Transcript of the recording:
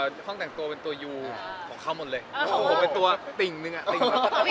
ห้องแต่งตัวเป็นตัวยูของเข้าหมดเลยถูกเป็นตัวติงนึงอะติงมากครับ